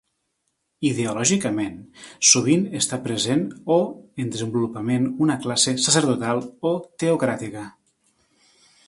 Ideològicament sovint està present o en desenvolupament una classe sacerdotal o teocràcia.